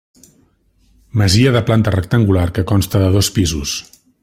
Masia de planta rectangular que consta de dos pisos.